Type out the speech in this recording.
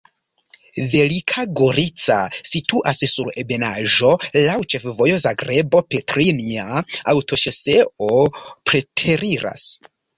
Velika Gorica situas sur ebenaĵo, laŭ ĉefvojo Zagrebo-Petrinja, aŭtoŝoseo preteriras.